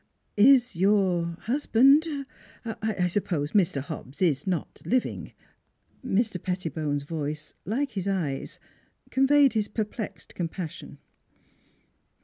Is your husband ? I suppose Mr. Hobbs is not living? " n 4 NEIGHBORS Mr. Pettibone's voice, like his eyes, conveyed his perplexed compassion.